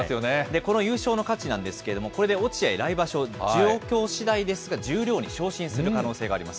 この優勝の価値なんですけれども、これで、落合、来場所、状況しだいですが、十両に昇進する可能性があります。